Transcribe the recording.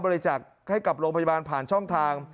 บริจาคให้กับโรงพยาบาลผ่านช่องทาง